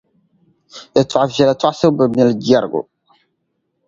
Yɛtɔɣ’ viɛla tɔɣisibu bi mili jɛrigu.